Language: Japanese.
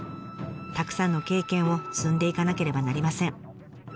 たくさんの経験を積んでいかなければなりません。